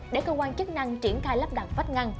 để cơ quan chức năng triển khai lắp đặt vách ngăn